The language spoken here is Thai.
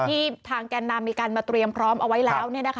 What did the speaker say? ที่ทางแก่นนำมีการมาเตรียมพร้อมเอาไว้แล้ว